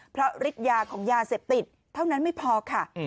เพราะฤทธิ์ยาของยาเสพติดเท่านั้นไม่พอค่ะ